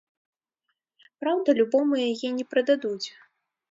Праўда, любому яе не прададуць.